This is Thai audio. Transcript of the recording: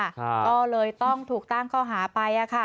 ก็เลยต้องถูกตั้งข้อหาไปอ่ะค่ะ